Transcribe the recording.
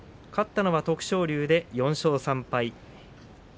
勝ったのは徳勝龍で４勝３敗。